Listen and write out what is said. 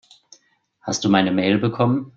Hast du meine Mail bekommen?